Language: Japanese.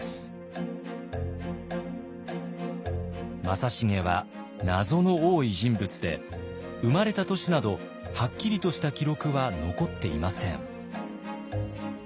正成は謎の多い人物で生まれた年などはっきりとした記録は残っていません。